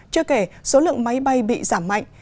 chưa kể số lượng máy bay bị giảm mạnh